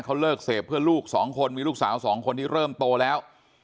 เขาเลิกเสพเพื่อลูกสองคนมีลูกสาวสองคนที่เริ่มโตแล้ว